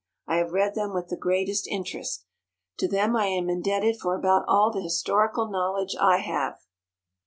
I have read them with the greatest interest. To them I am indebted for about all the historical knowledge I have.